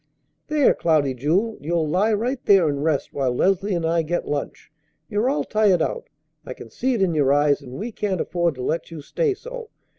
"There, Cloudy Jewel! You'll lie right there and rest while Leslie and I get lunch. You're all tired out; I can see it in your eyes; and we can't afford to let you stay so.